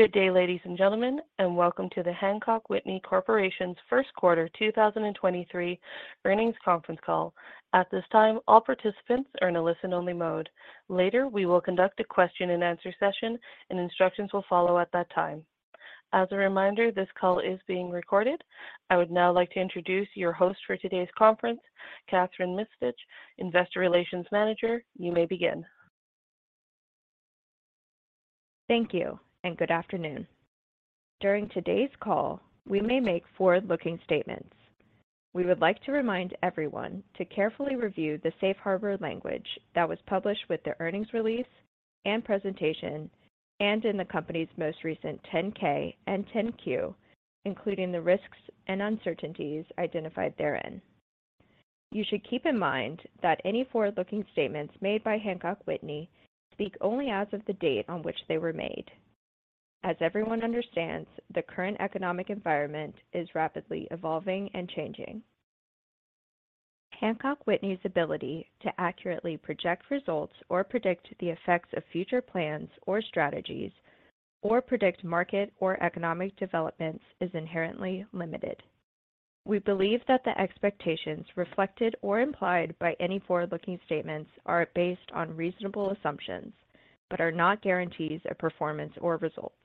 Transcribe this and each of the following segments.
Good day, ladies and gentlemen, Welcome to the Hancock Whitney Corporation's first quarter 2023 earnings conference call. At this time, all participants are in a listen-only mode. Later, we will conduct a question-and-answer session, instructions will follow at that time. As a reminder, this call is being recorded. I would now like to introduce your host for today's conference, Kathryn Mistich, Investor Relations Manager. You may begin. Thank you and good afternoon. During today's call, we may make forward-looking statements. We would like to remind everyone to carefully review the safe harbor language that was published with the earnings release and presentation and in the company's most recent 10-K and 10-Q, including the risks and uncertainties identified therein. You should keep in mind that any forward-looking statements made by Hancock Whitney speak only as of the date on which they were made. As everyone understands, the current economic environment is rapidly evolving and changing. Hancock Whitney's ability to accurately project results or predict the effects of future plans or strategies or predict market or economic developments is inherently limited. We believe that the expectations reflected or implied by any forward-looking statements are based on reasonable assumptions, but are not guarantees of performance or results,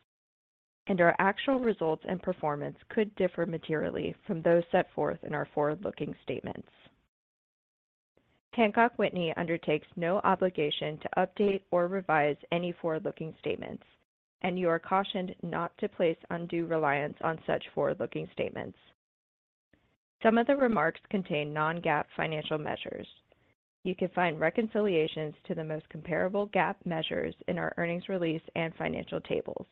and our actual results and performance could differ materially from those set forth in our forward-looking statements. Hancock Whitney undertakes no obligation to update or revise any forward-looking statements. You are cautioned not to place undue reliance on such forward-looking statements. Some of the remarks contain non-GAAP financial measures. You can find reconciliations to the most comparable GAAP measures in our earnings release and financial tables.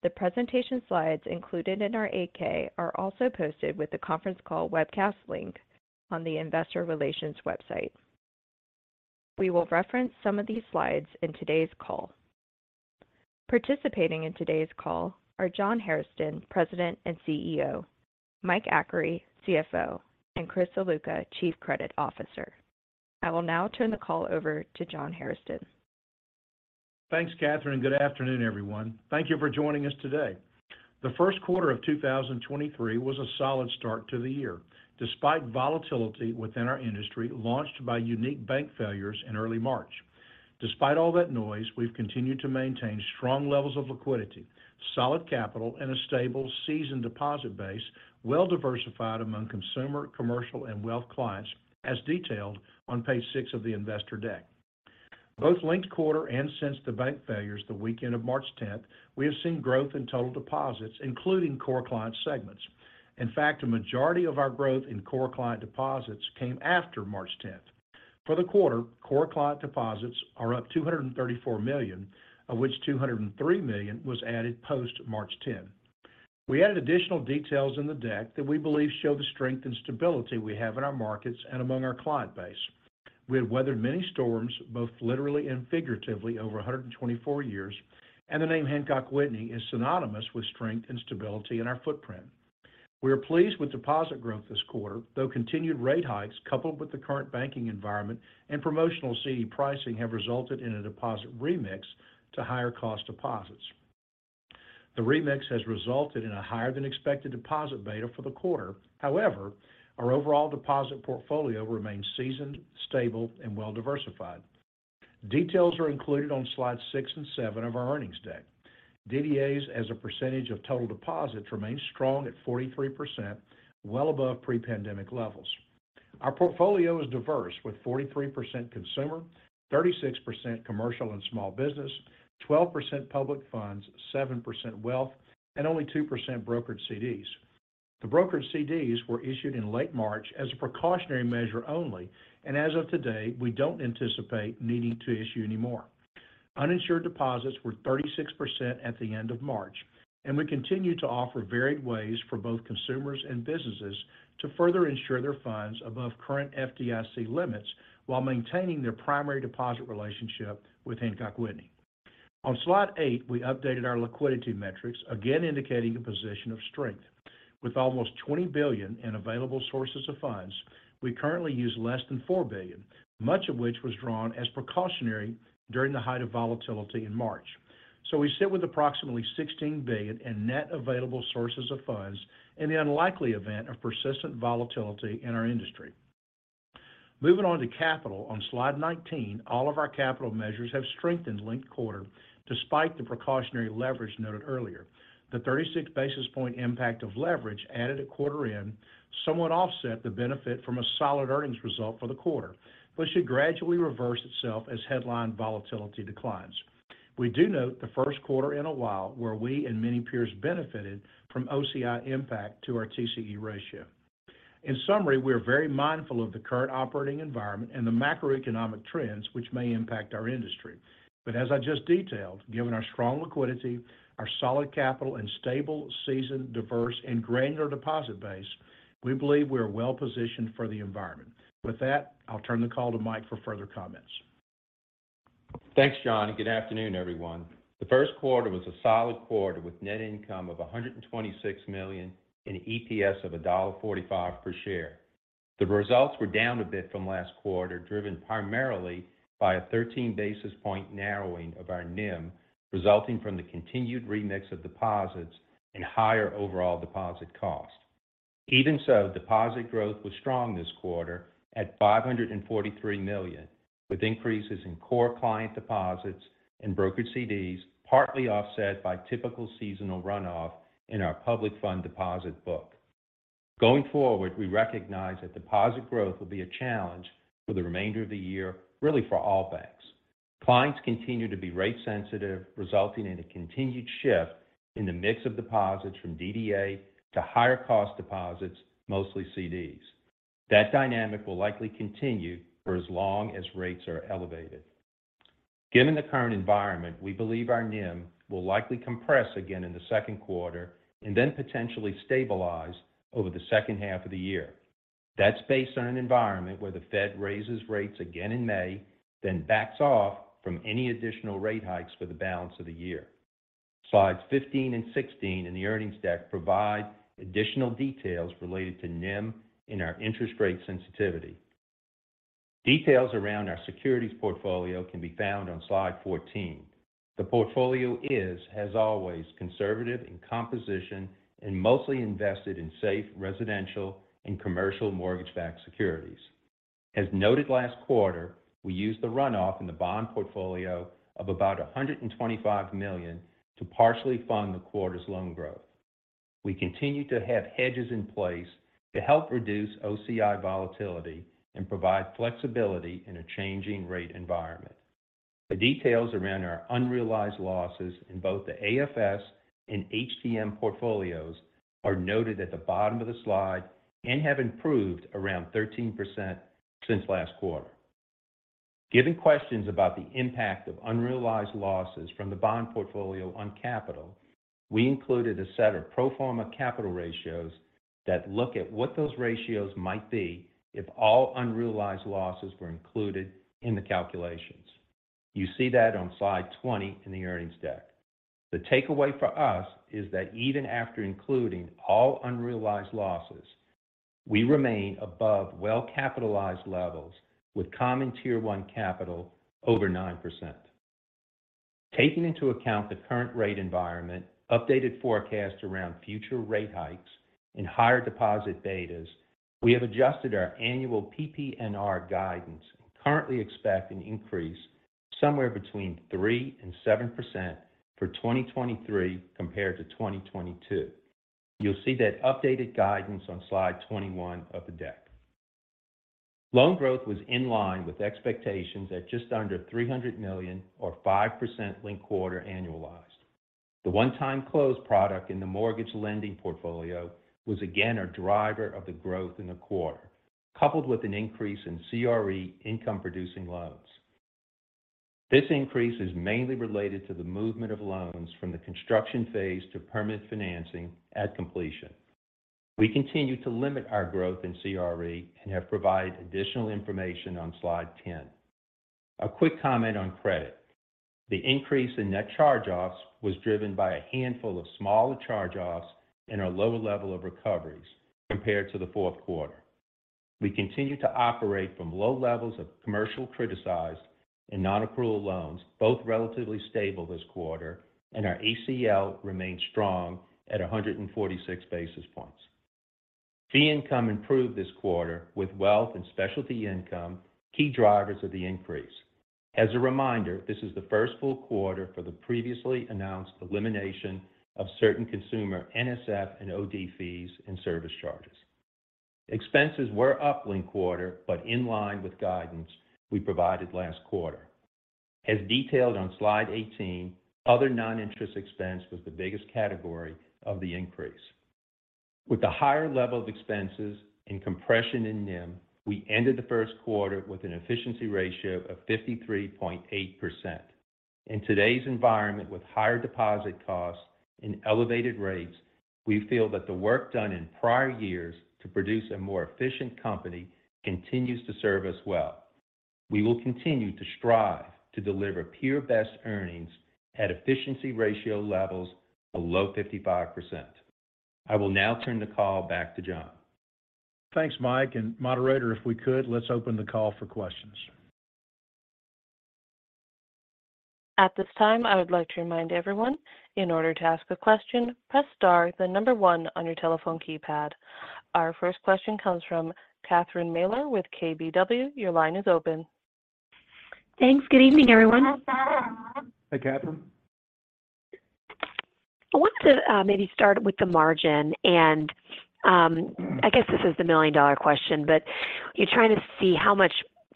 The presentation slides included in our 8-K are also posted with the conference call webcast link on the investor relations website. We will reference some of these slides in today's call. Participating in today's call are John Hairston, President and CEO; Mike Achary, CFO; and Chris Ziluca, Chief Credit Officer. I will now turn the call over to John Hairston. Thanks, Catherine. Good afternoon, everyone. Thank you for joining us today. The first quarter of 2023 was a solid start to the year despite volatility within our industry launched by unique bank failures in early March. Despite all that noise, we've continued to maintain strong levels of liquidity, solid capital, and a stable, seasoned deposit base well diversified among consumer, commercial, and wealth clients, as detailed on page six of the investor deck. Both linked quarter and since the bank failures the weekend of March 10th, we have seen growth in total deposits, including core client segments. In fact, a majority of our growth in core client deposits came after March 10th. For the quarter, core client deposits are up $234 million, of which $203 million was added post-March 10th. We added additional details in the deck that we believe show the strength and stability we have in our markets and among our client base. We have weathered many storms, both literally and figuratively, over 124 years. The name Hancock Whitney is synonymous with strength and stability in our footprint. We are pleased with deposit growth this quarter, though continued rate hikes coupled with the current banking environment and promotional CD pricing have resulted in a deposit remix to higher cost deposits. The remix has resulted in a higher than expected deposit beta for the quarter. Our overall deposit portfolio remains seasoned, stable and well diversified. Details are included on slide six and seven of our earnings deck. DDAs as a percentage of total deposits remains strong at 43%, well above pre-pandemic levels. Our portfolio is diverse with 43% consumer, 36% commercial and small business, 12% public funds, 7% wealth, and only 2% brokered CDs. The brokered CDs were issued in late March as a precautionary measure only, and as of today, we don't anticipate needing to issue any more. Uninsured deposits were 36% at the end of March, and we continue to offer varied ways for both consumers and businesses to further insure their funds above current FDIC limits while maintaining their primary deposit relationship with Hancock Whitney. On slide 8, we updated our liquidity metrics again indicating a position of strength. With almost $20 billion in available sources of funds, we currently use less than $4 billion, much of which was drawn as precautionary during the height of volatility in March. We sit with approximately $16 billion in net available sources of funds in the unlikely event of persistent volatility in our industry. Moving on to capital on slide 19, all of our capital measures have strengthened linked quarter despite the precautionary leverage noted earlier. The 36 basis point impact of leverage added at quarter end somewhat offset the benefit from a solid earnings result for the quarter, but should gradually reverse itself as headline volatility declines. We do note the first quarter in a while where we and many peers benefited from OCI impact to our TCE ratio. As I just detailed, given our strong liquidity, our solid capital, and stable, seasoned, diverse, and granular deposit base, we believe we are well positioned for the environment. With that, I'll turn the call to Mike for further comments. Thanks, John. Good afternoon, everyone. The first quarter was a solid quarter with net income of $126 million and EPS of $1.45 per share. The results were down a bit from last quarter, driven primarily by a 13 basis point narrowing of our NIM resulting from the continued remix of deposits and higher overall deposit costs. Even so deposit growth was strong this quarter at $543 million, with increases in core client deposits and brokered CDs, partly offset by typical seasonal runoff in our public fund deposit book. Going forward, we recognize that deposit growth will be a challenge for the remainder of the year, really for all banks. Clients continue to be rate sensitive, resulting in a continued shift in the mix of deposits from DDA to higher cost deposits, mostly CDs. That dynamic will likely continue for as long as rates are elevated. Given the current environment, we believe our NIM will likely compress again in the second quarter and then potentially stabilize over the second half of the year. That's based on an environment where the Fed raises rates again in May, then backs off from any additional rate hikes for the balance of the year. Slides 15 and 16 in the earnings deck provide additional details related to NIM in our interest rate sensitivity. Details around our securities portfolio can be found on slide 14. The portfolio is, as always, conservative in composition and mostly invested in safe residential and commercial mortgage-backed securities. As noted last quarter, we used the runoff in the bond portfolio of about $125 million to partially fund the quarter's loan growth. We continue to have hedges in place to help reduce OCI volatility and provide flexibility in a changing rate environment. The details around our unrealized losses in both the AFS and HTM portfolios are noted at the bottom of the slide and have improved around 13% since last quarter. Given questions about the impact of unrealized losses from the bond portfolio on capital, we included a set of pro forma capital ratios that look at what those ratios might be if all unrealized losses were included in the calculations. You see that on slide 20 in the earnings deck. The takeaway for us is that even after including all unrealized losses, we remain above well-capitalized levels with Common Equity Tier 1 capital over 9%. Taking into account the current rate environment, updated forecasts around future rate hikes, and higher deposit betas, we have adjusted our annual PPNR guidance and currently expect an increase somewhere between 3% and 7% for 2023 compared to 2022. You'll see that updated guidance on slide 21 of the deck. Loan growth was in line with expectations at just under $300 million or 5% linked quarter annualized. The one-time closed product in the mortgage lending portfolio was again a driver of the growth in the quarter, coupled with an increase in CRE income producing loans. This increase is mainly related to the movement of loans from the construction phase to permanent financing at completion. We continue to limit our growth in CRE and have provided additional information on Slide 10. A quick comment on credit. The increase in net charge-offs was driven by a handful of smaller charge-offs and a lower level of recoveries compared to the fourth quarter. We continue to operate from low levels of commercial criticized and non-accrual loans, both relatively stable this quarter, and our ACL remains strong at 146 basis points. Fee income improved this quarter with wealth and specialty income key drivers of the increase. As a reminder, this is the first full quarter for the previously announced elimination of certain consumer NSF and OD fees and service charges. Expenses were up linked quarter, but in line with guidance we provided last quarter. As detailed on Slide 18, other non-interest expense was the biggest category of the increase. With the higher level of expenses and compression in NIM, we ended the first quarter with an efficiency ratio of 53.8%. In today's environment with higher deposit costs and elevated rates, we feel that the work done in prior years to produce a more efficient company continues to serve us well. We will continue to strive to deliver peer best earnings at efficiency ratio levels below 55%. I will now turn the call back to John. Thanks, Mike. Moderator, if we could, let's open the call for questions. At this time, I would like to remind everyone in order to ask a question, press star, then number one on your telephone keypad. Our first question comes from Catherine Mealor with KBW. Your line is open. Thanks. Good evening, everyone. Hey, Catherine. I want to maybe start with the margin and I guess this is the $1 million question, but you're trying to see how much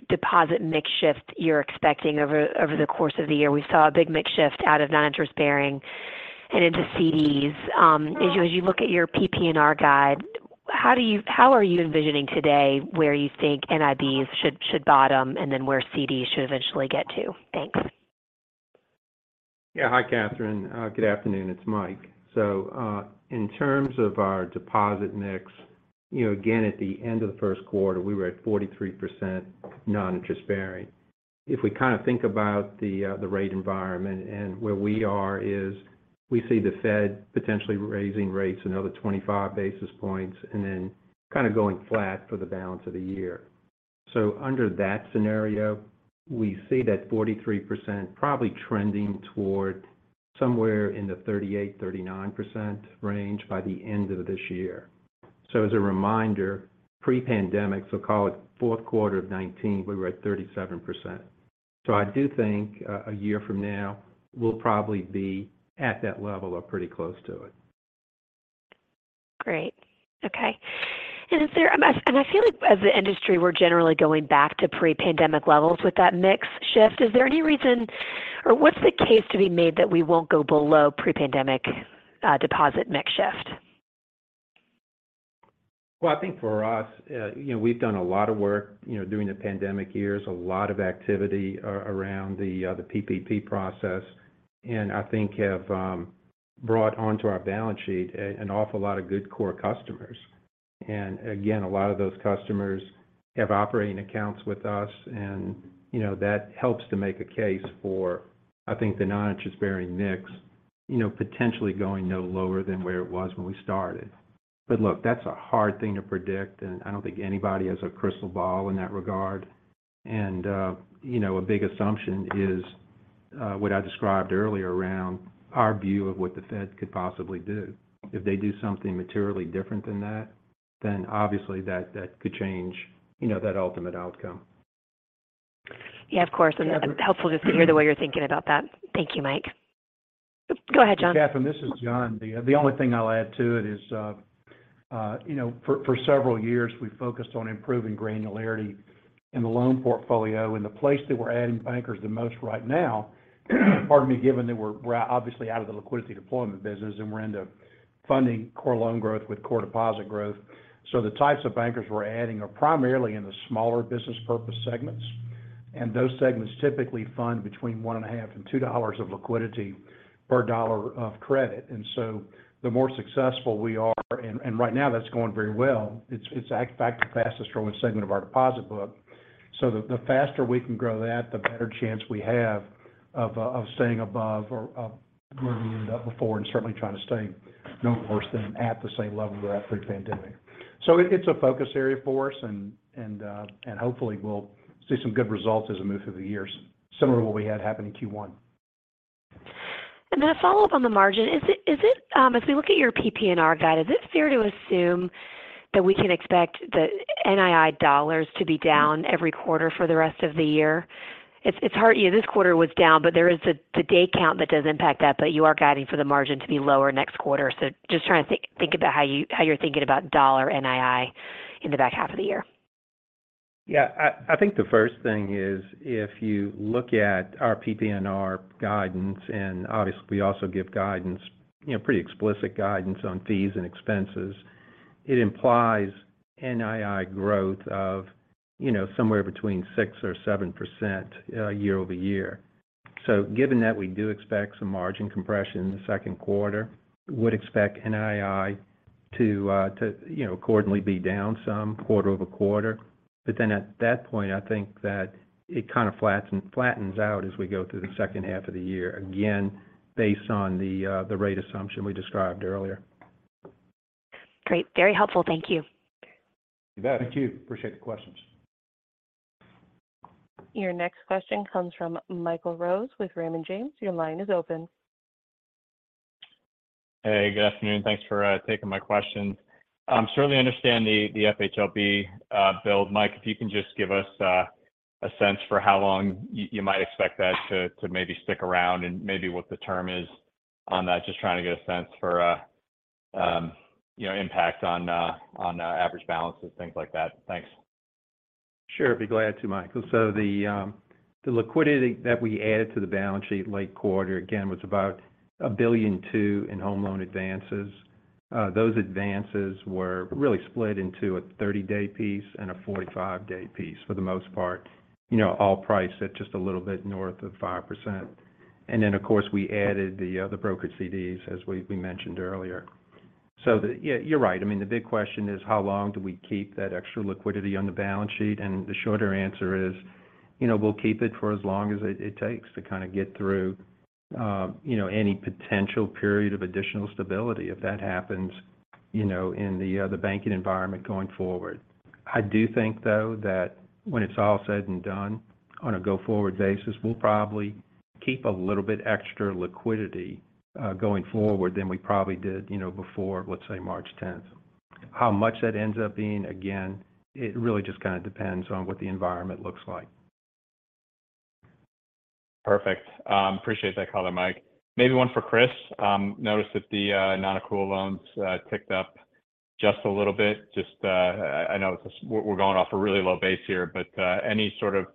deposit mix shift you're expecting over the course of the year. We saw a big mix shift out of non-interest bearing and into CDs. As you look at your PPNR guide, how are you envisioning today where you think NIBs should bottom and then where CDs should eventually get to? Thanks. Yeah. Hi, Catherine. Good afternoon. It's Mike. In terms of our deposit mix, you know, again, at the end of the first quarter, we were at 43% non-interest bearing If we kind of think about the rate environment and where we are is we see the Fed potentially raising rates another 25 basis points and then kind of going flat for the balance of the year. Under that scenario, we see that 43% probably trending toward somewhere in the 38%-39% range by the end of this year. As a reminder, pre-pandemic, so call it fourth quarter of 2019, we were at 37%. I do think a year from now, we'll probably be at that level or pretty close to it. Great. Okay. I feel like as an industry, we're generally going back to pre-pandemic levels with that mix shift. Is there any reason or what's the case to be made that we won't go below pre-pandemic deposit mix shift? Well, I think for us, you know, we've done a lot of work, you know, during the pandemic years, a lot of activity around the PPP process, and I think have brought onto our balance sheet an awful lot of good core customers. Again, a lot of those customers have operating accounts with us and, you know, that helps to make a case for, I think, the non-interest-bearing mix, you know, potentially going no lower than where it was when we started. Look, that's a hard thing to predict, and I don't think anybody has a crystal ball in that regard. You know, a big assumption is what I described earlier around our view of what the Fed could possibly do. If they do something materially different than that, then obviously that could change, you know, that ultimate outcome. Yeah, of course. Yeah. Helpful just to hear the way you're thinking about that. Thank you, Mike. Go ahead, John. Catherine, this is John. The only thing I'll add to it is, you know, for several years, we focused on improving granularity in the loan portfolio. The place that we're adding bankers the most right now, pardon me, given that we're obviously out of the liquidity deployment business and we're into funding core loan growth with core deposit growth. The types of bankers we're adding are primarily in the smaller business purpose segments, and those segments typically fund between one and a half and $2 of liquidity per dollar of credit. The more successful we are, and right now that's going very well. It's in fact the fastest growing segment of our deposit book. The faster we can grow that, the better chance we have of staying above or of where we ended up before and certainly trying to stay no worse than at the same level that pre-pandemic. It's a focus area for us and hopefully we'll see some good results as we move through the years, similar to what we had happen in Q1. A follow-up on the margin. Is it, as we look at your PPNR guide, is it fair to assume that we can expect the NII dollars to be down every quarter for the rest of the year? It's hard. This quarter was down, but there is the day count that does impact that, but you are guiding for the margin to be lower next quarter. Just trying to think about how you're thinking about dollar NII in the back half of the year. I think the first thing is if you look at our PPNR guidance, and obviously we also give guidance, you know, pretty explicit guidance on fees and expenses, it implies NII growth of, you know, somewhere between 6% or 7% year-over-year. Given that we do expect some margin compression in the second quarter, would expect NII to, you know, accordingly be down some quarter-over-quarter. At that point, I think that it kind of flattens out as we go through the second half of the year, again, based on the rate assumption we described earlier. Great. Very helpful. Thank you. You bet. Thank you. Appreciate the questions. Your next question comes from Michael Rose with Raymond James. Your line is open. Hey, good afternoon. Thanks for taking my questions. Certainly understand the FHLB build. Mike, if you can just give us a sense for how long you might expect that to maybe stick around and maybe what the term is on that. Just trying to get a sense for, you know, impact on average balances, things like that. Thanks. Sure. Be glad to, Michael. The liquidity that we added to the balance sheet late quarter, again, was about $1.2 billion in home loan advances. Those advances were really split into a 30-day piece and a 45-day piece for the most part, you know, all priced at just a little bit north of 5%. Then, of course, we added the brokered CDs, as we mentioned earlier. Yeah, you're right. I mean, the big question is how long do we keep that extra liquidity on the balance sheet? The shorter answer is, you know, we'll keep it for as long as it takes to kind of get through, you know, any potential period of additional stability if that happens, you know, in the banking environment going forward. I do think, though, that when it's all said and done, on a go-forward basis, we'll probably keep a little bit extra liquidity, going forward than we probably did, you know, before, let's say March tenth. How much that ends up being, again, it really just kind of depends on what the environment looks like. Perfect. Appreciate that color, Mike. Maybe one for Chris. Noticed that the non-accrual loans ticked up just a little bit. Just I know we're going off a really low base here, but any sort of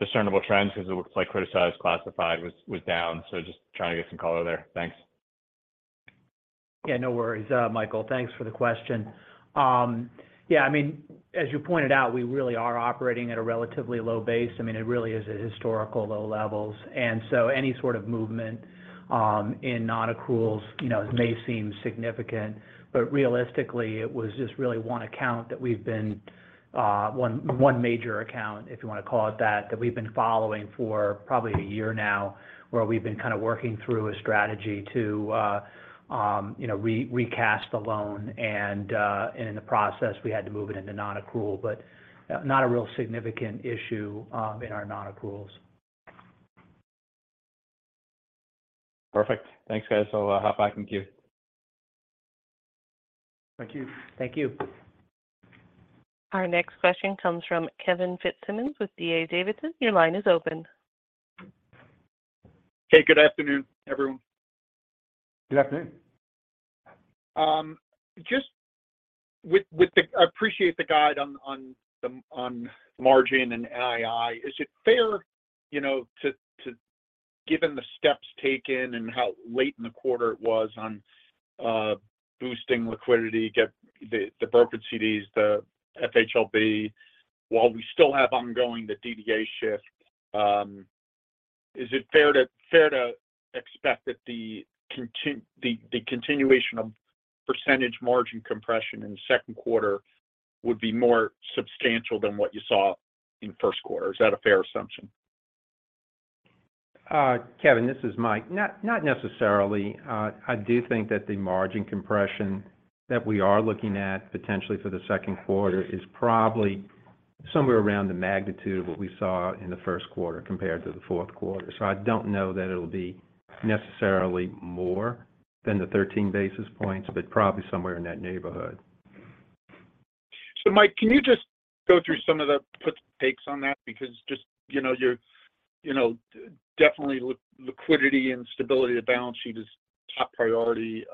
discernible trends cause it looks like criticized classified was down, so just trying to get some color there. Thanks. Yeah, no worries, Michael. Thanks for the question. Yeah, I mean, as you pointed out, we really are operating at a relatively low base. I mean, it really is at historical low levels. Any sort of movement in nonaccruals, you know, may seem significant, but realistically, it was just really one account that we've been one major account, if you want to call it that we've been following for probably a year now, where we've been kind of working through a strategy to, you know, recast the loan. In the process, we had to move it into nonaccrual, but not a real significant issue in our nonaccruals. Perfect. Thanks, guys. I'll hop back in queue. Thank you. Thank you. Our next question comes from Kevin Fitzsimmons with D.A. Davidson. Your line is open. Hey, good afternoon, everyone. Good afternoon. Just I appreciate the guide on margin and NII. Is it fair, you know, given the steps taken and how late in the quarter it was on boosting liquidity, get the brokered CDs, the FHLB, while we still have ongoing the DDA shift, is it fair to expect that the continuation of % margin compression in the second quarter would be more substantial than what you saw in first quarter? Is that a fair assumption? Kevin, this is Mike. Not necessarily. I do think that the margin compression that we are looking at potentially for the second quarter is probably somewhere around the magnitude of what we saw in the first quarter compared to the fourth quarter. I don't know that it'll be necessarily more than the 13 basis points, but probably somewhere in that neighborhood. Mike, can you just go through some of the puts and takes on that? Just, you know, you're, you know, definitely liquidity and stability of the balance sheet is top priority,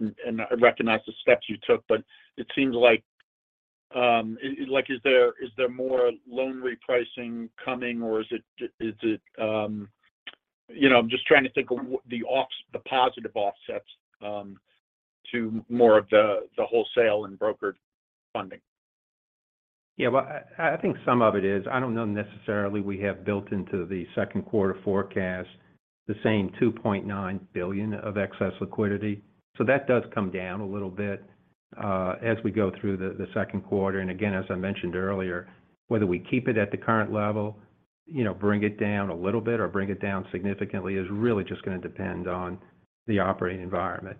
and I recognize the steps you took. It seems like is there more loan repricing coming or is it, is it, you know, I'm just trying to think of what the positive offsets to more of the wholesale and brokered funding. Well, I think some of it is. I don't know necessarily we have built into the second quarter forecast the same $2.9 billion of excess liquidity. That does come down a little bit as we go through the second quarter. Again, as I mentioned earlier, whether we keep it at the current level, you know, bring it down a little bit or bring it down significantly is really just going to depend on the operating environment.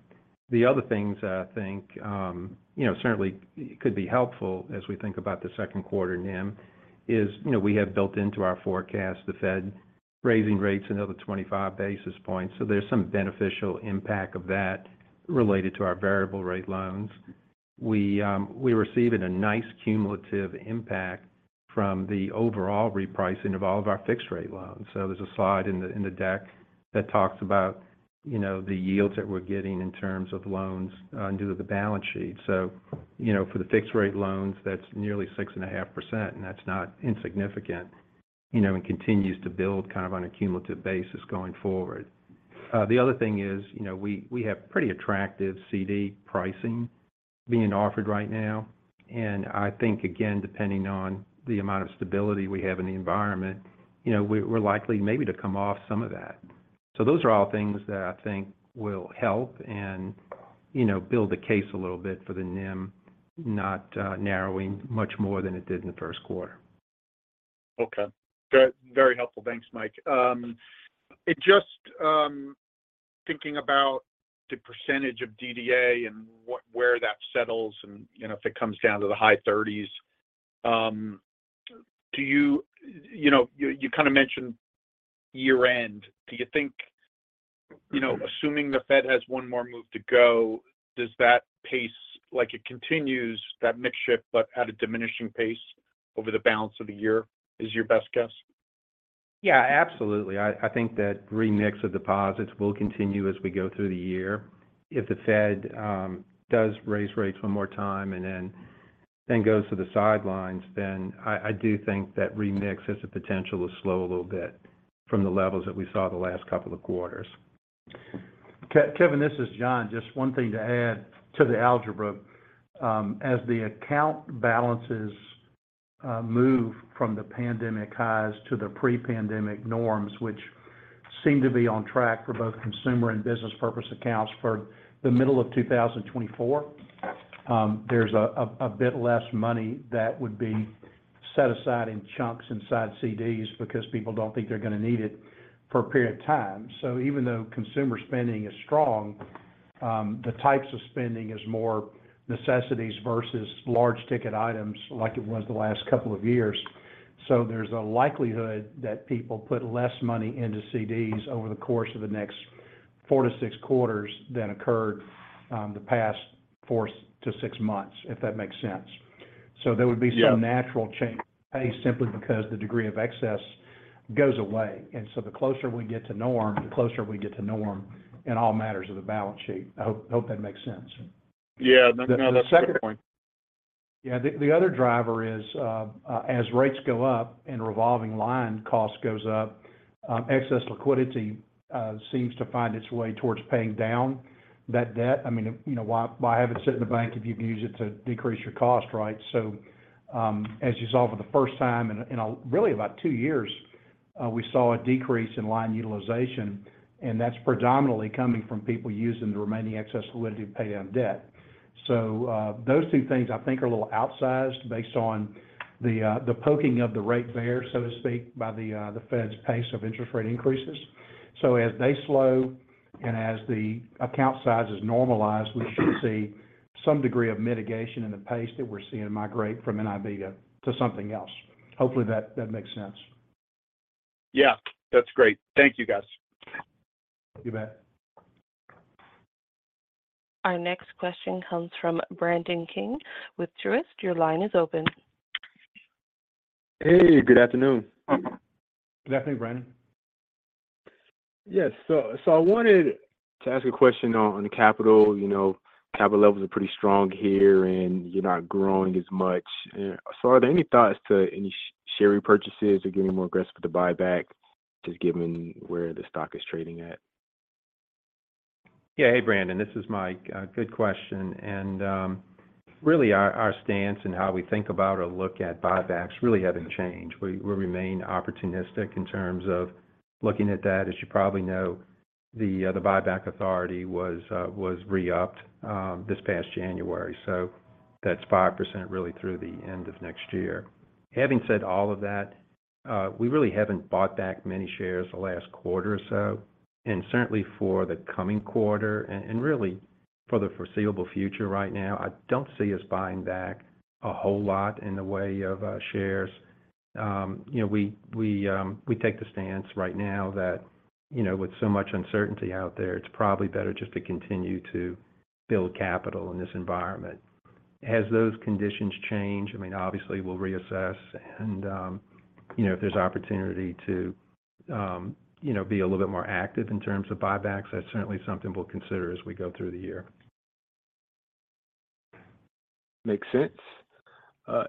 The other things I think, you know, certainly could be helpful as we think about the second quarter NIM is, you know, we have built into our forecast the Fed raising rates another 25 basis points. There's some beneficial impact of that related to our variable rate loans. We're receiving a nice cumulative impact from the overall repricing of all of our fixed rate loans. There's a slide in the deck that talks about, you know, the yields that we're getting in terms of loans due to the balance sheet. You know, for the fixed rate loans, that's nearly 6.5%, and that's not insignificant, you know, and continues to build kind of on a cumulative basis going forward. The other thing is, you know, we have pretty attractive CD pricing being offered right now. I think, again, depending on the amount of stability we have in the environment, you know, we're likely maybe to come off some of that. Those are all things that I think will help and, you know, build the case a little bit for the NIM not narrowing much more than it did in the first quarter. Okay. Good. Very helpful. Thanks, Mike. Just thinking about the percentage of DDA and where that settles and, you know, if it comes down to the high thirties, you know, you kind of mentioned year-end. Do you think- Mm-hmm... you know, assuming the Fed has 1 more move to go, does that pace, like it continues that mix shift but at a diminishing pace over the balance of the year, is your best guess? Yeah, absolutely. I think that remix of deposits will continue as we go through the year. If the Fed does raise rates one more time and then goes to the sidelines, I do think that remix has the potential to slow a little bit from the levels that we saw the last couple of quarters. Kevin, this is John. Just one thing to add to the algebra. As the account balances move from the pandemic highs to the pre-pandemic norms, which seem to be on track for both consumer and business purpose accounts for the middle of 2024, there's a bit less money that would be set aside in chunks inside CDs because people don't think they're going to need it for a period of time. Even though consumer spending is strong, the type of spending is more necessities versus large ticket items like it was the last couple of years. There's a likelihood that people put less money into CDs over the course of the next four to six quarters than occurred the past four to six months, if that makes sense. There would be. Yeah... some natural change simply because the degree of excess goes away. The closer we get to norm, the closer we get to norm in all matters of the balance sheet. I hope that makes sense. Yeah. No, that's a good point. The other driver is, as rates go up and revolving line cost goes up, excess liquidity seems to find its way towards paying down that debt. I mean, you know, why have it sit in the bank if you can use it to decrease your cost, right? As you saw for the first time in really about two years, we saw a decrease in line utilization, and that's predominantly coming from people using the remaining excess liquidity to pay down debt. Those two things I think are a little outsized based on the poking of the rate bear, so to speak, by the Fed's pace of interest rate increases. As they slow and as the account size is normalized, we should see some degree of mitigation in the pace that we're seeing migrate from NIB to something else. Hopefully that makes sense. Yeah. That's great. Thank you, guys. You bet. Our next question comes from Brandon King with Truist. Your line is open. Hey, good afternoon. Good afternoon, Brandon. Yes. I wanted to ask a question on the capital. You know, capital levels are pretty strong here, and you're not growing as much. Are there any thoughts to any share repurchases or getting more aggressive with the buyback just given where the stock is trading at? Hey, Brandon, this is Mike. Good question. Really our stance and how we think about or look at buybacks really haven't changed. We remain opportunistic in terms of looking at that. As you probably know, the buyback authority was re-upped this past January, so that's 5% really through the end of next year. Having said all of that, we really haven't bought back many shares the last quarter or so, and certainly for the coming quarter and really for the foreseeable future right now, I don't see us buying back a whole lot in the way of shares. You know, we take the stance right now that, you know, with so much uncertainty out there, it's probably better just to continue to build capital in this environment. As those conditions change, I mean, obviously we'll reassess and, you know, if there's opportunity to, you know, be a little bit more active in terms of buybacks, that's certainly something we'll consider as we go through the year. Makes sense. I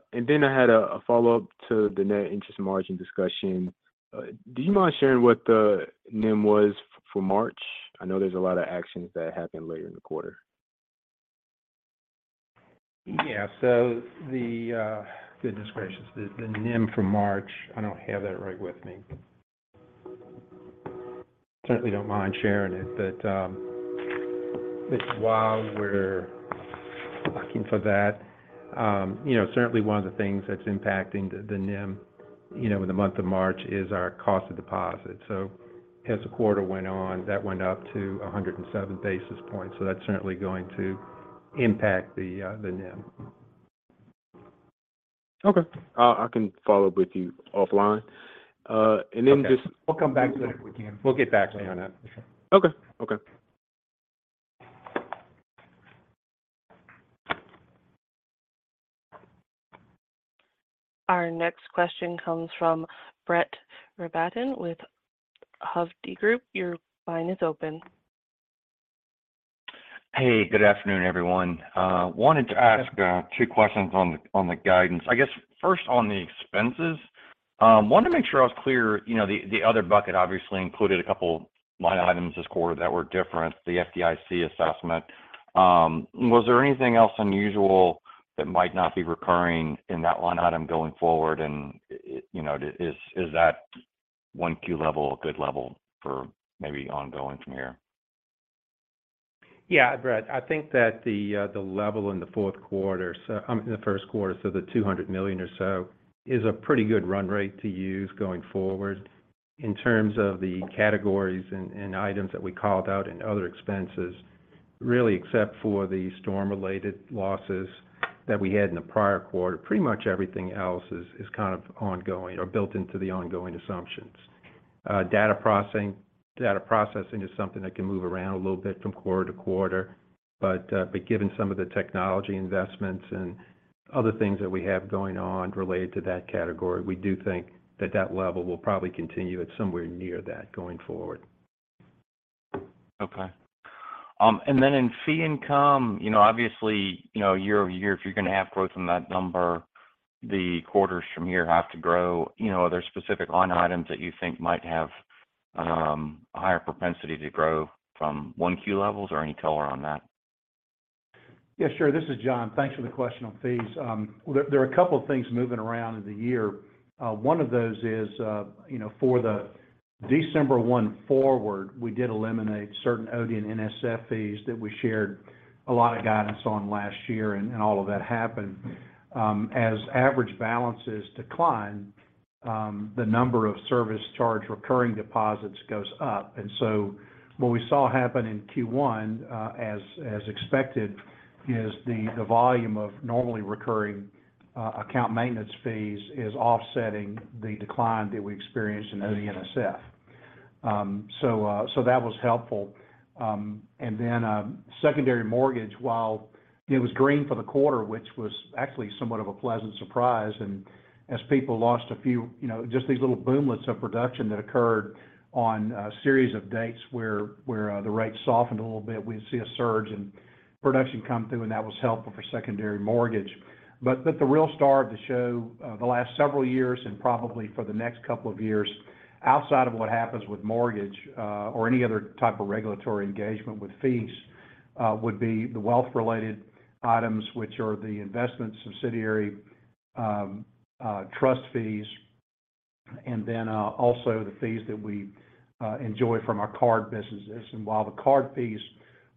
had a follow-up to the net interest margin discussion. Do you mind sharing what the NIM was for March? I know there's a lot of actions that happened later in the quarter. Yeah. The goodness gracious. The NIM for March, I don't have that right with me. Certainly don't mind sharing it. Just while we're looking for that, you know, certainly one of the things that's impacting the NIM, you know, in the month of March is our cost of deposit. As the quarter went on, that went up to 107 basis points, so that's certainly going to impact the NIM. Okay. I can follow up with you offline. Okay. We'll come back to that if we can. We'll get back to you on that. Okay. Okay. Our next question comes from Brett Rabatin with Hovde Group. Your line is open. Hey, good afternoon, everyone. wanted to ask two questions on the guidance. I guess first on the expenses, wanted to make sure I was clear, you know, the other bucket obviously included a couple line items this quarter that were different, the FDIC assessment. was there anything else unusual that might not be recurring in that line item going forward? you know, is that 1 key level a good level for maybe ongoing from here? Yeah, Brett, I think that the level in the fourth quarter, I mean the first quarter, so the $200 million or so, is a pretty good run rate to use going forward. In terms of the categories and items that we called out in other expenses, really except for the storm-related losses that we had in the prior quarter, pretty much everything else is kind of ongoing or built into the ongoing assumptions. Data processing is something that can move around a little bit from quarter to quarter, but given some of the technology investments and other things that we have going on related to that category, we do think that that level will probably continue at somewhere near that going forward. Okay. In fee income, you know, obviously, you know, year-over-year, if you're going to have growth in that number, the quarters from here have to grow. You know, are there specific line items that you think might have a higher propensity to grow from 1Q levels, or any color on that? Yeah, sure. This is John Hairston. Thanks for the question on fees. Well, there are a couple of things moving around in the year. One of those is, you know, for the December 1 forward, we did eliminate certain OD and NSF fees that we shared a lot of guidance on last year and all of that happened. As average balances decline, the number of service charge recurring deposits goes up. What we saw happen in Q1, as expected, is the volume of normally recurring account maintenance fees is offsetting the decline that we experienced in OD and NSF. That was helpful. Secondary mortgage, while it was green for the quarter, which was actually somewhat of a pleasant surprise, and as people lost a few, you know, just these little bomblets of production that occurred on a series of dates where the rates softened a little bit, we'd see a surge in production come through, and that was helpful for secondary mortgage. The real star of the show, the last several years and probably for the next couple of years, outside of what happens with mortgage, or any other type of regulatory engagement with fees, would be the wealth-related items, which are the investment subsidiary, trust fees, and then also the fees that we enjoy from our card businesses. While the card fees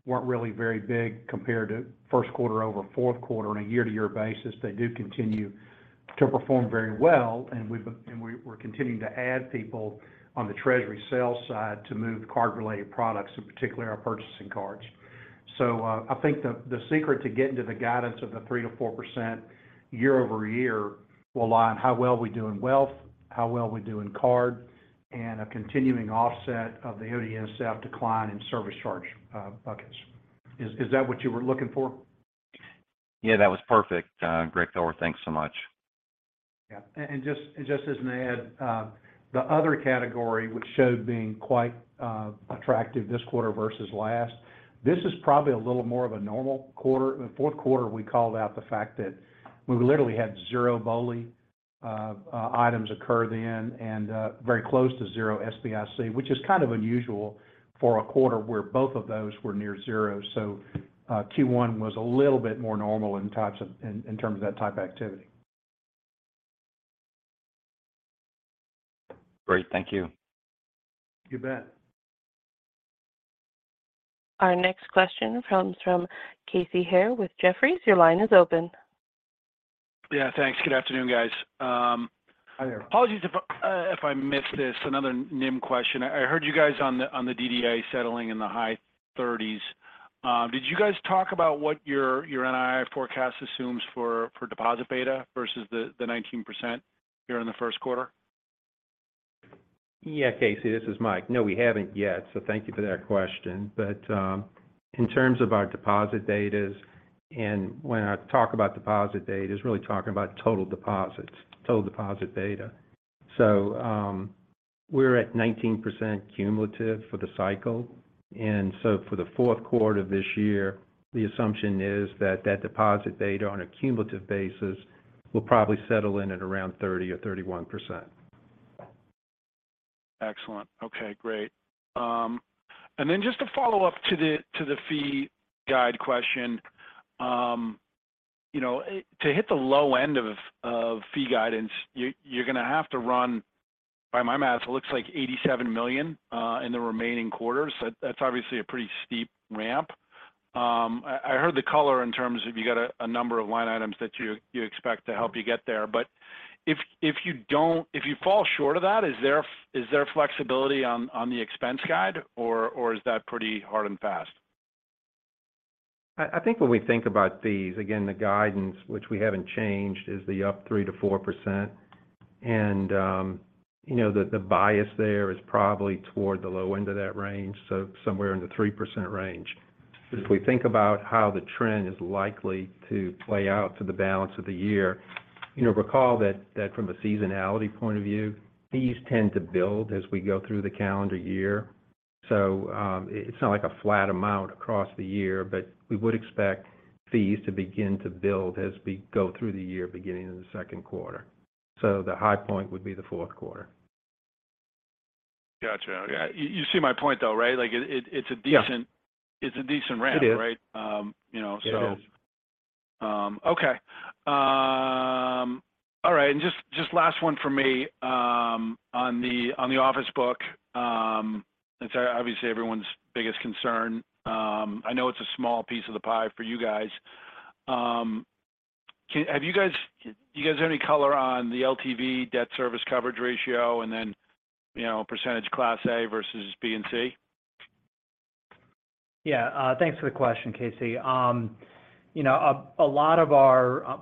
weren't really very big compared to first quarter over fourth quarter on a year-to-year basis, they do continue to perform very well. We're continuing to add people on the treasury sales side to move card-related products, in particular our purchasing cards. I think the secret to getting to the guidance of the 3%-4% year-over-year will lie on how well we do in wealth, how well we do in card, and a continuing offset of the OD/NSF decline in service charge buckets. Is that what you were looking for? Yeah, that was perfect, Greg Thor. Thanks so much. Yeah. Just as an add, the other category which showed being quite attractive this quarter versus last, this is probably a little more of a normal quarter. In the fourth quarter, we called out the fact that we literally had 0 BOLI items occur then and very close to 0 SBIC, which is kind of unusual for a quarter where both of those were near 0 so Q1 was a little bit more normal in types of in terms of that type activity. Great. Thank you. You bet. Our next question comes from Casey Haire with Jefferies. Your line is open. Yeah, thanks. Good afternoon, guys. Hi there. Apologies if I missed this, another NIM question. I heard you guys on the DDA settling in the high 30s. Did you guys talk about what your NII forecast assumes for deposit beta versus the 19% here in the first quarter? Casey, this is Mike. We haven't yet, so thank you for that question. In terms of our deposit betas, and when I talk about deposit betas, really talking about total deposits, total deposit beta. We're at 19% cumulative for the cycle. For the fourth quarter of this year, the assumption is that that deposit beta on a cumulative basis will probably settle in at around 30% or 31%. Excellent. Okay, great. Then just to follow up to the, to the fee guide question, you know, to hit the low end of fee guidance, you're going to have to run, by my math, it looks like $87 million in the remaining quarters. That's obviously a pretty steep ramp. I heard the color in terms of you got a number of line items that you expect to help you get there. If you don't, if you fall short of that, is there flexibility on the expense guide, or is that pretty hard and fast? I think when we think about fees, again, the guidance which we haven't changed is the up 3%-4%. You know, the bias there is probably toward the low end of that range, so somewhere in the 3% range. If we think about how the trend is likely to play out for the balance of the year, you know, recall that from a seasonality point of view, fees tend to build as we go through the calendar year. It's not like a flat amount across the year, but we would expect fees to begin to build as we go through the year beginning in the second quarter. The high point would be the fourth quarter. Gotcha. You see my point, though, right? Like, it's a decent- Yeah. It's a decent ramp, right? It is. You know. It is. Okay. All right. Just last one for me, on the office book, it's obviously everyone's biggest concern. I know it's a small piece of the pie for you guys. Do you guys have any color on the LTV debt service coverage ratio and then, you know, percentage Class A versus B and C? Yeah. Thanks for the question, Casey.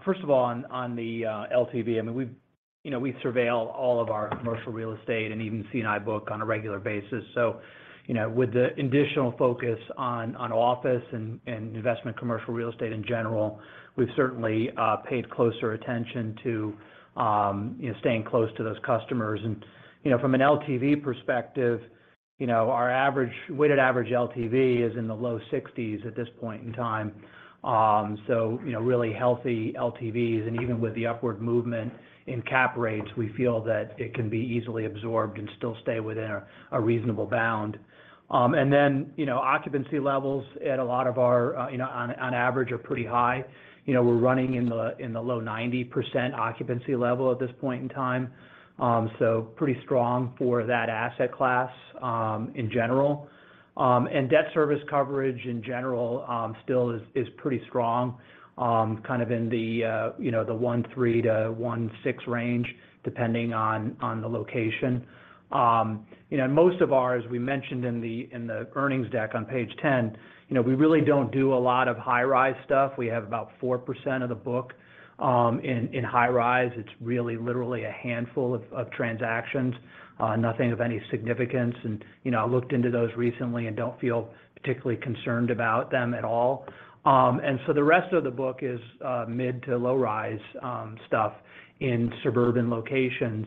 First of all, on the LTV, I mean, we, you know, we surveil all of our commercial real estate and even C&I book on a regular basis. With the additional focus on office and investment commercial real estate in general, we've certainly paid closer attention to, you know, staying close to those customers. From an LTV perspective, you know, our weighted average LTV is in the low sixties at this point in time. Really healthy LTVs. Even with the upward movement in cap rates, we feel that it can be easily absorbed and still stay within a reasonable bound. You know, occupancy levels at a lot of our, you know, on average are pretty high. You know, we're running in the low 90% occupancy level at this point in time. Pretty strong for that asset class in general. Debt service coverage in general still is pretty strong, kind of in the, you know, the 1.3-1.6 range, depending on the location. You know, most of ours, we mentioned in the earnings deck on page 10, you know, we really don't do a lot of high-rise stuff. We have about 4% of the book in high-rise. It's really literally a handful of transactions, nothing of any significance. You know, I looked into those recently and don't feel particularly concerned about them at all. The rest of the book is mid to low-rise stuff in suburban locations,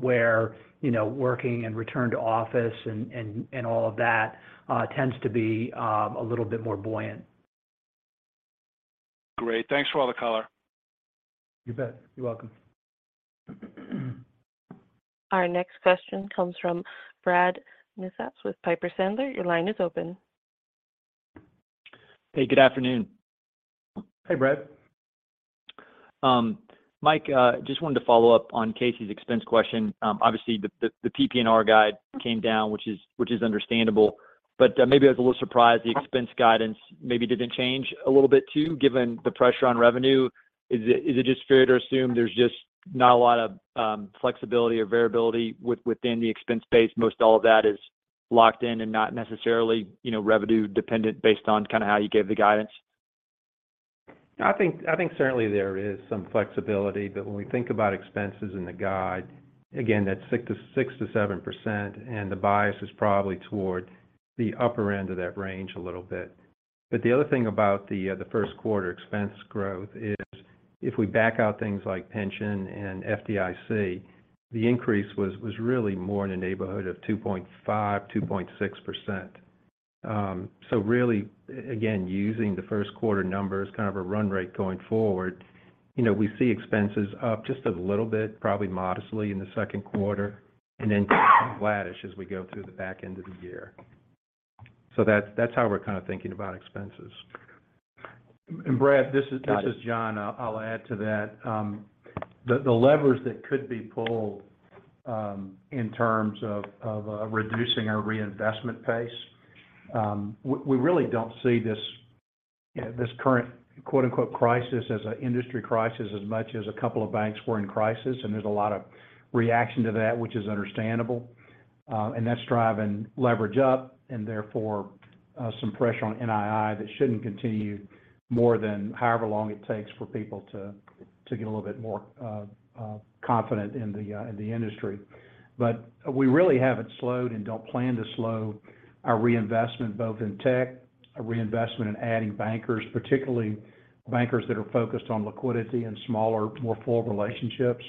where, you know, working and return to office and, and all of that tends to be a little bit more buoyant. Great. Thanks for all the color. You bet. You're welcome. Our next question comes from Brad Milsaps with Piper Sandler. Your line is open. Hey, good afternoon. Hey, Brad. Mike, just wanted to follow up on Casey's expense question. Obviously the PPNR guide came down, which is understandable. Maybe I was a little surprised the expense guidance maybe didn't change a little bit too, given the pressure on revenue. Is it just fair to assume there's not a lot of flexibility or variability within the expense base? Most all of that is locked in and not necessarily, you know, revenue dependent based on kind of how you gave the guidance. I think certainly there is some flexibility, but when we think about expenses in the guide, again, that's 6%-7%, and the bias is probably toward the upper end of that range a little bit. The other thing about the first quarter expense growth is if we back out things like pension and FDIC, the increase was really more in the neighborhood of 2.5%-2.6%. Really, again, using the first quarter number as kind of a run rate going forward, you know, we see expenses up just a little bit, probably modestly in the second quarter, and then flattish as we go through the back end of the year. That's how we're kind of thinking about expenses. Brad, this is, Got it. This is John. I'll add to that. The, the levers that could be pulled, in terms of reducing our reinvestment pace, we really don't see this current quote-unquote, "crisis" as a industry crisis as much as a couple of banks were in crisis, and there's a lot of reaction to that, which is understandable. That's driving leverage up, and therefore, some pressure on NII that shouldn't continue more than however long it takes for people to get a little bit more confident in the industry. We really haven't slowed and don't plan to slow our reinvestment, both in tech, our reinvestment in adding bankers, particularly bankers that are focused on liquidity and smaller, more full relationships,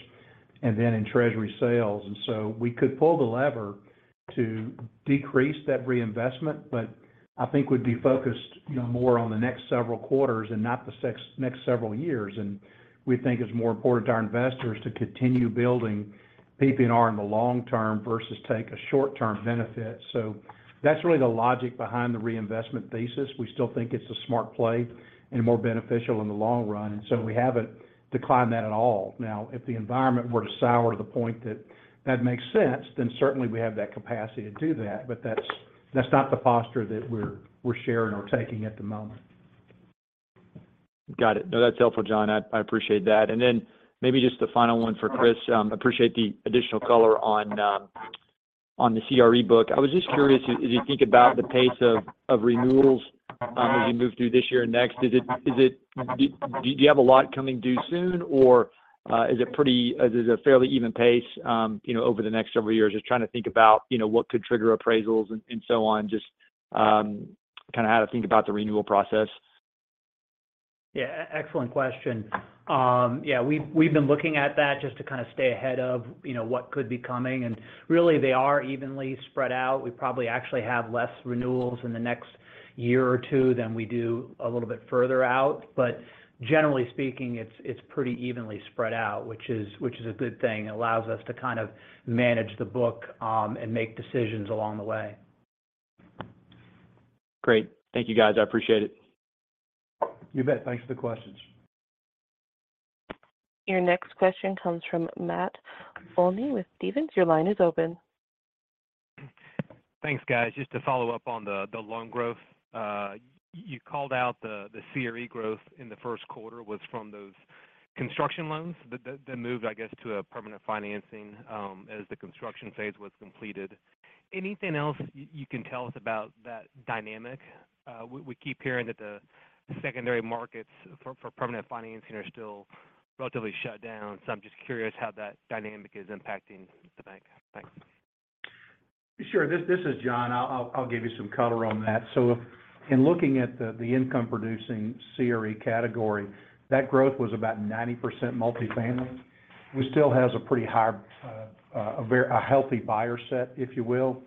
and then in treasury sales. We could pull the lever to decrease that reinvestment, but I think we'd be focused, you know, more on the next several quarters and not the next several years. We think it's more important to our investors to continue building PPNR in the long term versus take a short-term benefit. That's really the logic behind the reinvestment thesis. We still think it's a smart play and more beneficial in the long run. We haven't declined that at all. Now, if the environment were to sour to the point that that makes sense, then certainly we have that capacity to do that. That's not the posture that we're sharing or taking at the moment. Got it. No, that's helpful, John. I appreciate that. Then maybe just the final one for Chris. Appreciate the additional color on the CRE book. I was just curious, as you think about the pace of renewals, as you move through this year and next, is it do you have a lot coming due soon, or is it a fairly even pace, you know, over the next several years? Just trying to think about, you know, what could trigger appraisals and so on. Just kind of how to think about the renewal process. Yeah. Excellent question. Yeah, we've been looking at that just to kind of stay ahead of, you know, what could be coming. Really, they are evenly spread out. We probably actually have less renewals in the next year or two than we do a little bit further out. Generally speaking, it's pretty evenly spread out, which is a good thing. It allows us to kind of manage the book and make decisions along the way. Great. Thank you, guys. I appreciate it. You bet. Thanks for the questions. Your next question comes from Matt Olney with Stephens. Your line is open. Thanks, guys. Just to follow up on the loan growth. You called out the CRE growth in the first quarter was from those construction loans that moved, I guess, to a permanent financing, as the construction phase was completed. Anything else you can tell us about that dynamic? We keep hearing that the secondary markets for permanent financing are still relatively shut down. I'm just curious how that dynamic is impacting the bank. Thanks. Sure. This is John. I'll give you some color on that. In looking at the income producing CRE category, that growth was about 90% multifamily, which still has a pretty high, a healthy buyer set, if you will.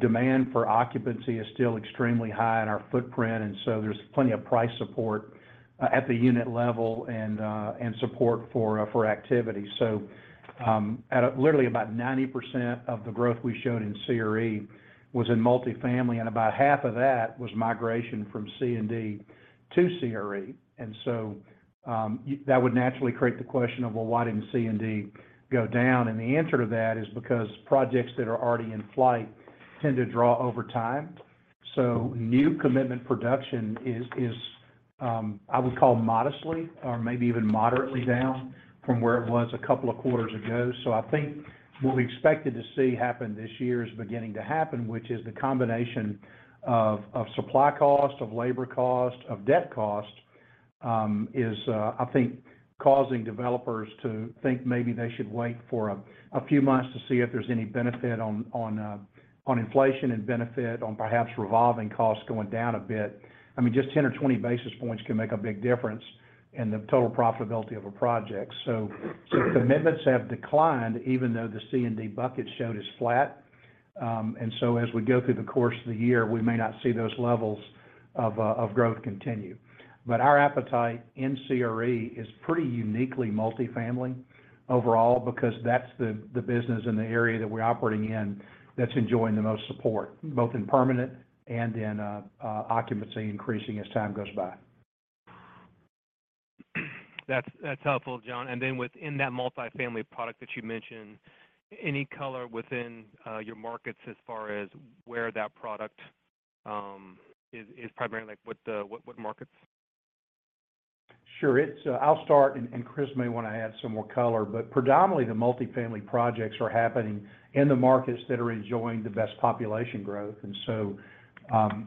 Demand for occupancy is still extremely high in our footprint, there's plenty of price support at the unit level and support for activity. Literally about 90% of the growth we showed in CRE was in multifamily, and about half of that was migration from C&D to CRE. That would naturally create the question of, well, why didn't C&D go down? The answer to that is because projects that are already in flight tend to draw over time. New commitment production is, I would call modestly or maybe even moderately down from where it was a couple of quarters ago. I think what we expected to see happen this year is beginning to happen, which is the combination of supply cost, of labor cost, of debt cost, is, I think causing developers to think maybe they should wait for a few months to see if there's any benefit on inflation and benefit on perhaps revolving costs going down a bit. I mean, just 10 or 20 basis points can make a big difference in the total profitability of a project. Commitments have declined, even though the C&D bucket showed as flat. As we go through the course of the year, we may not see those levels of growth continue. Our appetite in CRE is pretty uniquely multifamily overall because that's the business and the area that we're operating in that's enjoying the most support, both in permanent and in occupancy increasing as time goes by. That's helpful, John. Then within that multifamily product that you mentioned, any color within your markets as far as where that product is primarily? Like, what markets? Sure. It's, I'll start, and Chris may wanna add some more color. Predominantly, the multifamily projects are happening in the markets that are enjoying the best population growth.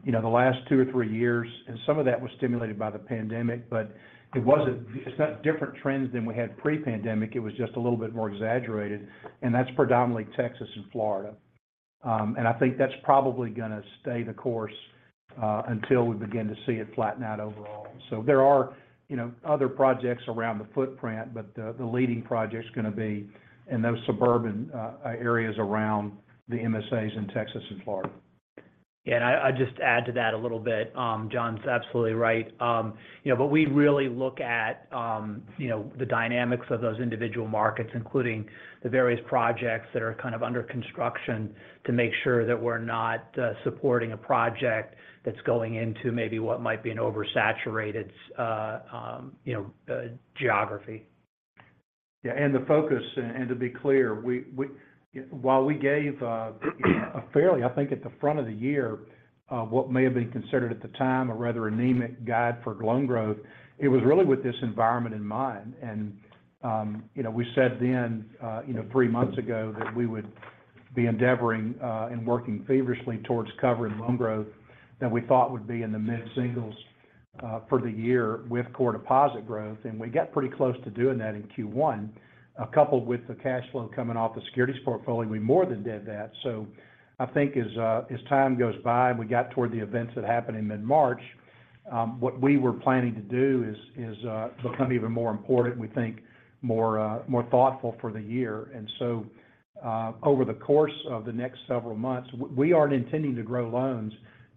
You know, the last two or three years, and some of that was stimulated by the pandemic, but it's not different trends than we had pre-pandemic, it was just a little bit more exaggerated, and that's predominantly Texas and Florida. I think that's probably gonna stay the course until we begin to see it flatten out overall. There are, you know, other projects around the footprint, but the leading project's gonna be in those suburban areas around the MSAs in Texas and Florida. Yeah, I'll just add to that a little bit. John's absolutely right. you know, we really look at, you know, the dynamics of those individual markets, including the various projects that are kind of under construction to make sure that we're not supporting a project that's going into maybe what might be an oversaturated, you know, geography. Yeah. The focus, and, to be clear, we while we gave, a fairly, I think at the front of the year, what may have been considered at the time a rather anemic guide for loan growth, it was really with this environment in mind. You know, we said then, you know, three months ago that we would be endeavoring, and working feverishly towards covering loan growth that we thought would be in the mid-singles, for the year with core deposit growth. We got pretty close to doing that in Q1. Coupled with the cash flow coming off the securities portfolio, we more than did that. I think as time goes by and we got toward the events that happened in mid-March, what we were planning to do is become even more important, we think more, more thoughtful for the year. Over the course of the next several months, we aren't intending to grow loans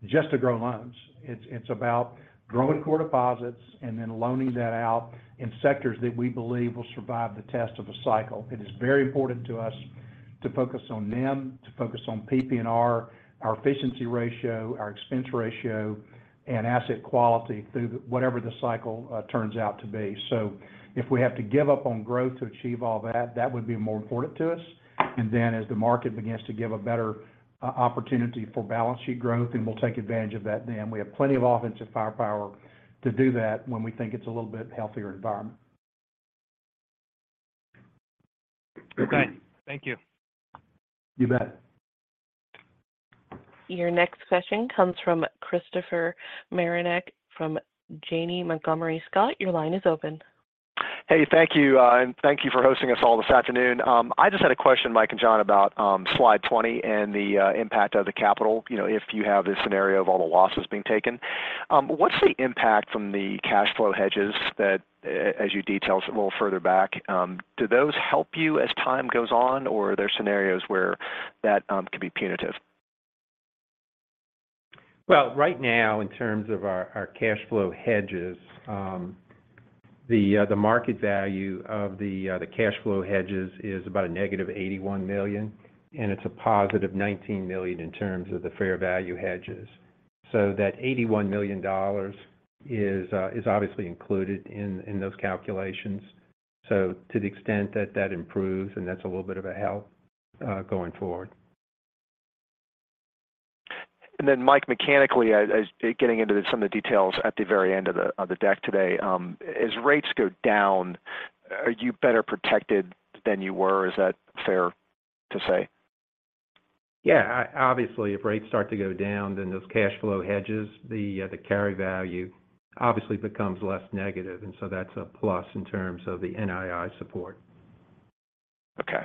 just to grow loans. It's, it's about growing core deposits and then loaning that out in sectors that we believe will survive the test of a cycle. It is very important to us to focus on NIM, to focus on PPNR, our efficiency ratio, our expense ratio, and asset quality through whatever the cycle turns out to be. If we have to give up on growth to achieve all that would be more important to us. As the market begins to give a better opportunity for balance sheet growth, then we'll take advantage of that then. We have plenty of offensive firepower to do that when we think it's a little bit healthier environment. Okay. Thank you. You bet. Your next question comes from Christopher Marinac from Janney Montgomery Scott. Your line is open. Hey, thank you. Thank you for hosting us all this afternoon. I just had a question, Mike and John, about slide 20 and the impact of the capital, you know, if you have this scenario of all the losses being taken. What's the impact from the cash flow hedges that as you detailed a little further back? Do those help you as time goes on, or are there scenarios where that could be punitive? Well, right now, in terms of our cash flow hedges, the market value of the cash flow hedges is about a negative $81 million, and it's a positive $19 million in terms of the fair value hedges. That $81 million is obviously included in those calculations. To the extent that that improves, and that's a little bit of a help, going forward. Mike, mechanically, as getting into some of the details at the very end of the, of the deck today, as rates go down, are you better protected than you were? Is that fair to say? Yeah. Obviously, if rates start to go down, then those cash flow hedges, the carry value obviously becomes less negative, that's a plus in terms of the NII support. Okay.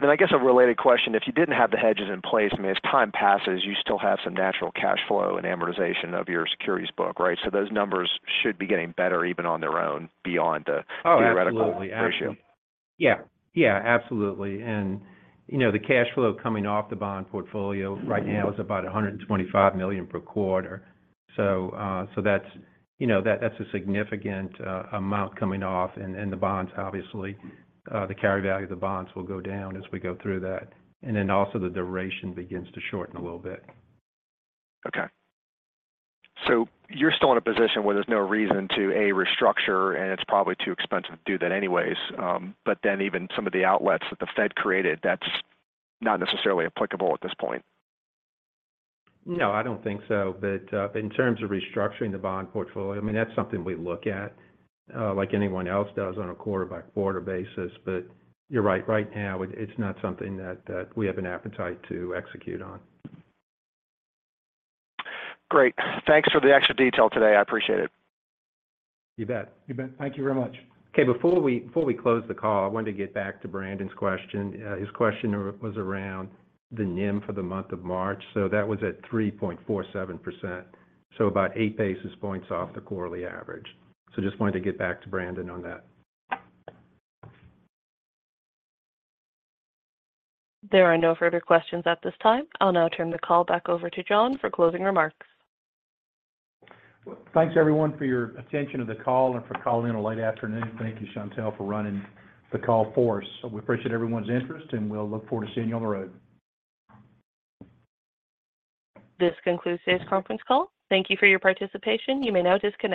I guess a related question, if you didn't have the hedges in place, I mean, as time passes, you still have some natural cash flow and amortization of your securities book, right? Those numbers should be getting better even on their own beyond. Oh, absolutely. Absolutely. theoretical ratio. Yeah. Yeah, absolutely. You know, the cash flow coming off the bond portfolio right now is about $125 million per quarter. That's, you know, that's a significant amount coming off. The bonds, obviously, the carry value of the bonds will go down as we go through that. Then also the duration begins to shorten a little bit. Okay. You're still in a position where there's no reason to, A, restructure, and it's probably too expensive to do that anyways. Even some of the outlets that the Fed created, that's not necessarily applicable at this point. I don't think so. In terms of restructuring the bond portfolio, I mean, that's something we look at like anyone else does on a quarter-by-quarter basis. You're right. Right now, it's not something that we have an appetite to execute on. Great. Thanks for the extra detail today. I appreciate it. You bet. You bet. Thank you very much. Okay. Before we close the call, I wanted to get back to Brandon's question. His question was around the NIM for the month of March. That was at 3.47%, about 8 basis points off the quarterly average. Just wanted to get back to Brandon on that. There are no further questions at this time. I'll now turn the call back over to John for closing remarks. Well, thanks everyone for your attention to the call and for calling in on a late afternoon. Thank you, Shantelle, for running the call for us. We appreciate everyone's interest, and we'll look forward to seeing you on the road. This concludes today's conference call. Thank you for your participation. You may now disconnect.